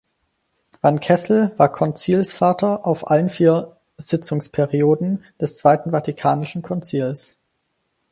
Van Kessel war Konzilsvater auf allen vier Sitzungsperioden des Zweiten Vatikanischen Konzils.